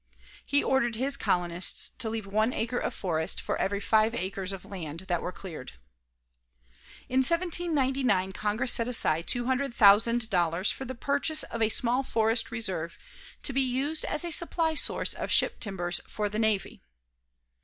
He ordered his colonists to leave one acre of forest for every five acres of land that were cleared. In 1799 Congress set aside $200,000 for the purchase of a small forest reserve to be used as a supply source of ship timbers for the Navy.